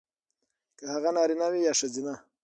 کـه هغـه نـاريـنه وي يـا ښـځيـنه .